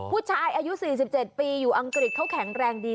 ผู้ชายอายุ๔๗ปีอยู่อังกฤษเขาแข็งแรงดี